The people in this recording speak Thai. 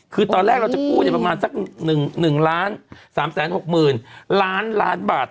คือตอนแรกเราจะกู้ประมาณสัก๑๓๖๐๐๐ล้านล้านบาท